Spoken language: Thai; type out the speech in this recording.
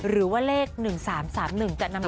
หรือว่าเลข๑๓๓๑จะนำมา